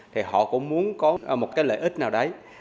thì họ cũng muốn có một cái lợi ích nào đấy